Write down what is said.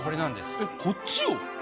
えっこっちを？